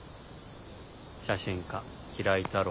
「写真家平井太郎」。